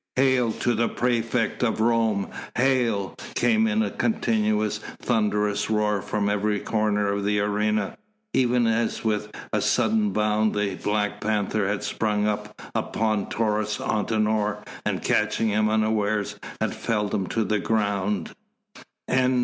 "Hail to the praefect of Rome! Hail!" came in a continuous, thunderous roar from every corner of the arena, even as with a sudden bound the black panther had sprung upon Taurus Antinor, and, catching him unawares, had felled him to the ground.